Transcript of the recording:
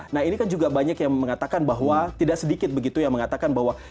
nah ini kan juga banyak yang mengatakan bahwa tidak sedikit begitu yang mengatakan bahwa